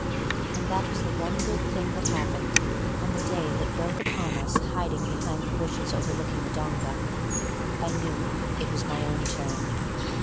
And that was the one good thing that happened on the day that broke upon us hiding behind the bushes overlooking the donga; by noon it was my own turn.